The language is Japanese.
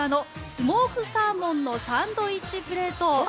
スモークサーモンのサンドイッチプレート。